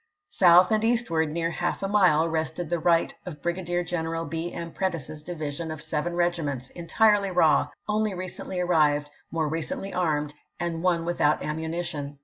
South and eastward near half a mile rested the right of Brigadier General B, M. Prentiss's division of seven regiments, entirely raw, only recently arrived, more recently armed, and one without ammunition.